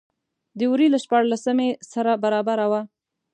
د وري له شپاړلسمې سره برابره وه.